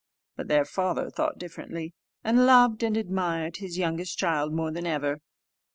But their father thought differently: and loved and admired his youngest child more than ever.